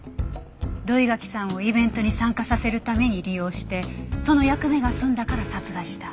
土居垣さんをイベントに参加させるために利用してその役目が済んだから殺害した。